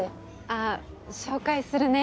あ紹介するね。